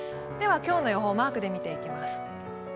今日の予報をマークで見ていきます。